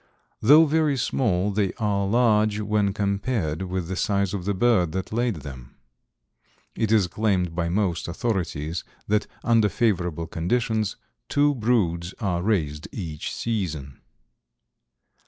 Though very small they are large when compared with the size of the bird that laid them. It is claimed by most authorities that under favorable conditions two broods are raised each season.